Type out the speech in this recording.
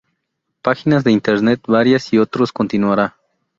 Páginas de Internet varias y otros...continuara